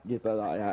gitu lah ya